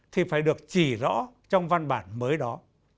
thì phải được chỉ rõ trong văn bản mới đó